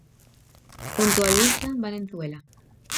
Junto a Luisa Valenzuela.